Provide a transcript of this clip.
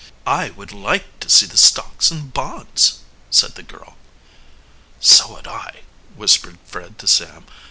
"I would like to see the stocks and bonds," said the girl. "So would I," whispered Fred to Sam.